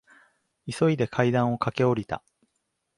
急いで階段を駆け下りた。